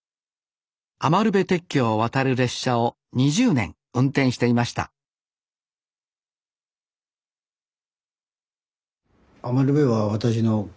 余部鉄橋を渡る列車を２０年運転していました余部は私の何ていうんだろう。